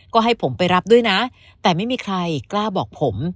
ก็ให้ผมไปรับด้วยนะแต่ไม่มีใครกล้าบอกผม